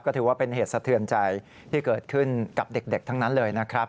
ถือว่าเป็นเหตุสะเทือนใจที่เกิดขึ้นกับเด็กทั้งนั้นเลยนะครับ